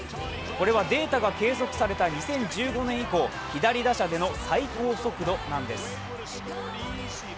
これはデータが計測された２０１５年以降左打者での最高速度なんです。